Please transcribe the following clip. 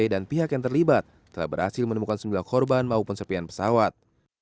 dan pihak yang terlibat telah berhasil menemukan sembilan korban maupun serpian pesawat